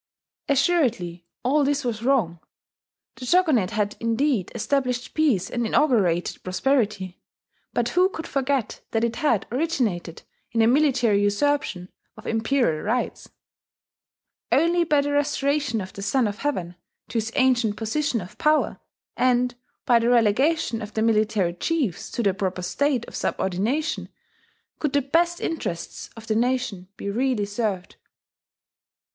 Assuredly all this was wrong. The Shogunate had indeed established peace and inaugurated prosperity; but who could forget that it had originated in a military usurpation of imperial rights? Only by the restoration of the Son of Heaven to his ancient position of power, and by the relegation of the military chiefs to their proper state of subordination, could the best interests of the nation be really served....